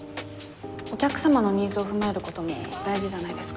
お客様のニーズを踏まえることも大事じゃないですか？